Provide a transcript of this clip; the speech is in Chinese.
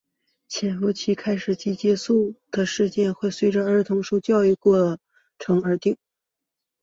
潜伏期开始及结束的时间会随儿童受养育的过程而定。